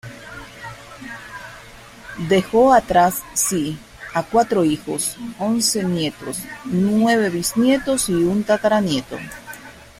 Texto en curso de preparación.